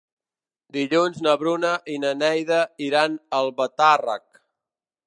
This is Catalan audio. Dilluns na Bruna i na Neida iran a Albatàrrec.